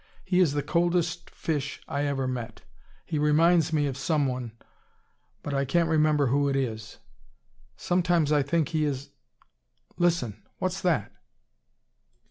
He is the coldest fish I ever met. He reminds me of someone but I can't remember who it is. Sometimes I think he is Listen! What's that?"